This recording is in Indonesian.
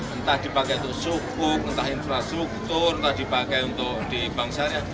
entah dipakai untuk subuk entah infrastruktur entah dipakai untuk di bangsa syariat